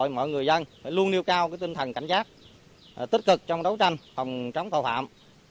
mọi người dân luôn nêu cao tinh thần cảnh giác tích cực trong đấu tranh phòng chống tàu phạm